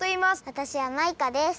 わたしはマイカです。